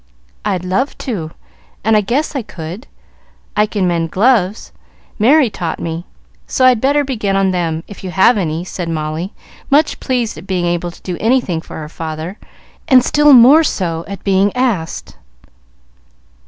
"I'd love to, and I guess I could. I can mend gloves; Merry taught me, so I'd better begin on them, if you have any," said Molly, much pleased at being able to do anything for her father, and still more so at being asked.